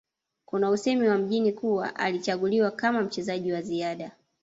Kuna usemi wa mjini kuwa alichaguliwa kama mchezaji wa ziada